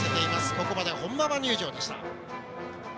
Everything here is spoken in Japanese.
ここまで本馬場入場でした。